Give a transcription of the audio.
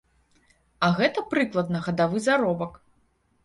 А гэта прыкладна гадавы заробак.